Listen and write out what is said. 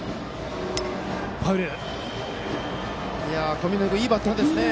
小南君、いいバッターですね。